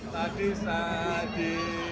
tadi saya di